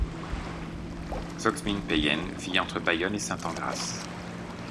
Txomin Peillen vit entre Bayonne et Sainte-Engrâce.